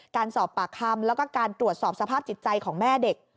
การสอบปากคำแล้วก็การตรวจสอบสภาพจิตใจของแม่เด็ก